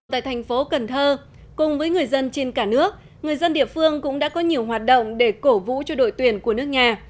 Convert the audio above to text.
tại thành phố cần thơ cùng với người dân trên cả nước người dân địa phương cũng đã có nhiều hoạt động để cổ vũ cho đội tuyển của nước nhà